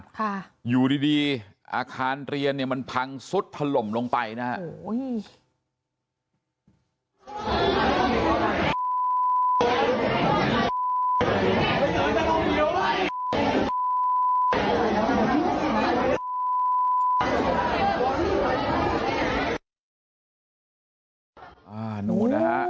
ค่ะอยู่ดีดีอาคารเรียนเนี่ยมันพังซุดถล่มลงไปนะฮะโอ้โห